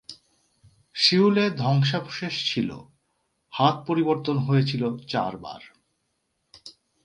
Seoul এ ধ্বংসাবশেষ ছিল, হাত পরিবর্তন হয়েছিল চারবার।